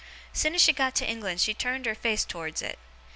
Soon as she got to England she turned her face tow'rds it.